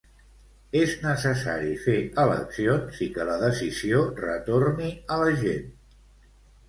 És necessari fer eleccions i que la decisió retorni a la gent.